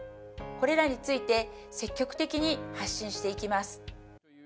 これらについて積極的に発信していきます。